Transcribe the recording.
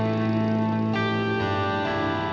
gak ada yang mau nanya